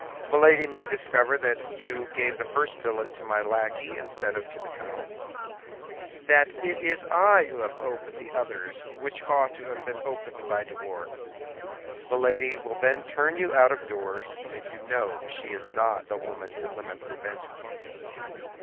Milady may discover that you gave the first billet to my lackey instead of to the count's; that it is I who have opened the others which ought to have been opened by de Wardes. Milady will then turn you out of doors, and you know she is not the woman to limit her vengeance."